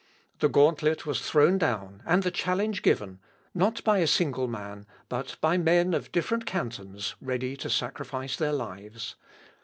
The gauntlet was thrown down, and the challenge given, not by a single man, but by men of different cantons, ready to sacrifice their lives.